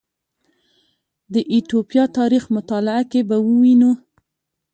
د ایتوپیا تاریخ مطالعه کې به ووینو